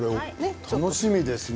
楽しみですね